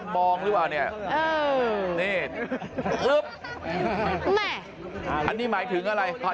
มองหรือว่าเนี้ยเออนี่อุ๊บแม่อันนี้หมายถึงอะไรอ่ะ